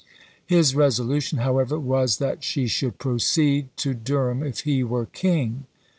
His resolution, however, was, that "she should proceed to Durham, if he were king!"